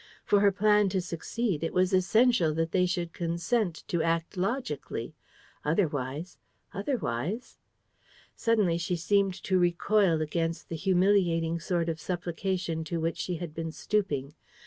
For her plan to succeed, it was essential that they should consent to act logically. Otherwise ... otherwise ... Suddenly she seemed to recoil against the humiliating sort of supplication to which she had been stooping.